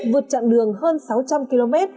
vượt chặng đường hơn sáu trăm linh km